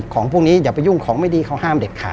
ของพวกนี้อย่าไปยุ่งของไม่ดีเขาห้ามเด็ดขาด